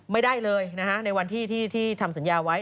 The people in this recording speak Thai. ไม่ได้เลยนะฮะในวันที่ทำสัญญาไว้